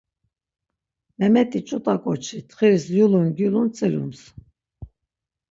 Memet̆i ç̌ut̆a koçi tğiriz yulun gulun tsilums.